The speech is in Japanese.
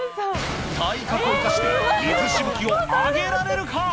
体格を生かして水しぶきを上げられるか。